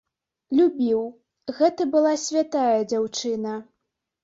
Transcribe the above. Любіў, гэта была святая дзяўчына.